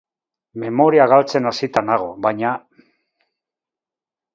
Memoria galtzen hasita nago, baina.